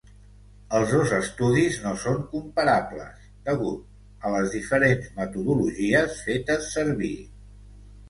Els dos estudis no són comparables deguts a les diferents metodologies fetes servir.